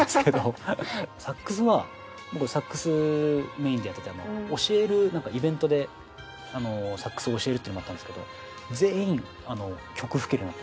サックスは僕はサックスメインでやってて教えるなんかイベントでサックス教えるっていうのがあったんですけど全員曲吹けるようになったんですよ。